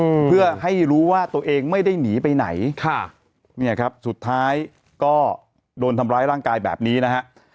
อืมเพื่อให้รู้ว่าตัวเองไม่ได้หนีไปไหนค่ะเนี่ยครับสุดท้ายก็โดนทำร้ายร่างกายแบบนี้นะฮะ